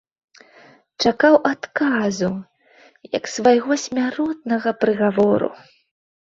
Чакаў адказу як свайго смяротнага прыгавору.